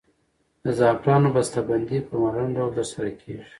د زعفرانو بسته بندي په مډرن ډول ترسره کیږي.